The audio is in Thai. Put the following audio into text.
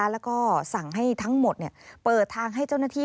แล้วก็สั่งให้ทั้งหมดเปิดทางให้เจ้าหน้าที่